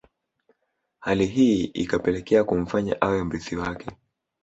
Hali hii ikapelekea kumfanya awe mrithi wake